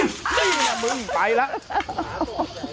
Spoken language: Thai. นี่แหละมึงไปแล้ว